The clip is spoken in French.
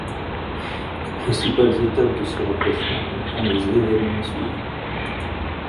Les principales étapes de ce rapprochement comprend les événements suivants.